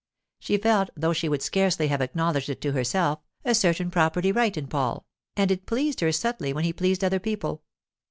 She felt, though she would scarcely have acknowledged it to herself, a certain property right in Paul, and it pleased her subtly when he pleased other people.